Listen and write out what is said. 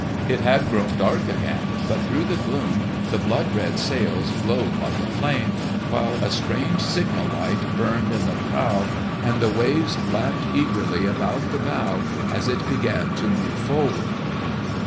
It had grown dark again, but through the gloom the blood red sails glowed like a flame, while a strange signal light burned in the prow, and the waves lapped eagerly about the bow as it began to move forward.